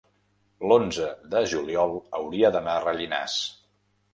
l'onze de juliol hauria d'anar a Rellinars.